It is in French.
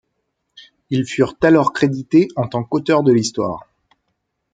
Ils furent alors crédités en tant qu'auteurs de l'histoire.